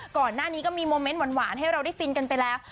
ก่อนหน้านี้ก็มีโมเมนต์หวานให้เราได้ฟินกันไปแล้ว